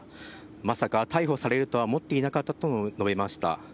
まさか逮捕されるとは思っていなかったと述べました。